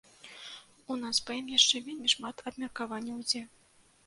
У нас па ім яшчэ вельмі шмат абмеркаванняў ідзе.